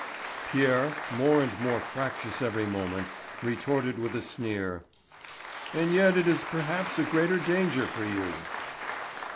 Pierre, more and more fractious every moment, retorted with a sneer: "And yet it is perhaps a greater danger for you."